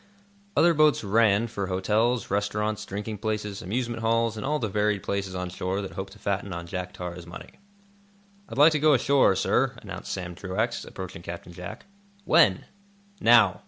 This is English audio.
Other boats "ran" for hotels, restaurants, drinking places, amusement halls, and all the varied places on shore that hope to fatten on Jack Tar's money. "I'd like to go ashore, sir," announced Sam Truax, approaching Captain Jack. "When?" "Now."